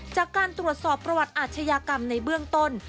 จากการตรวจสอบประวัติอาชญากรรมในเบื้องต้น